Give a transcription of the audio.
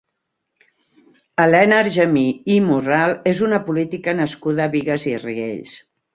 Elena Argemí i Morral és una política nascuda a Bigues i Riells.